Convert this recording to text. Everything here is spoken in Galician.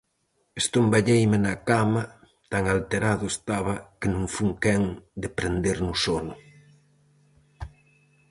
Estomballeime na cama, tan alterado estaba que non fun quen de prender no sono.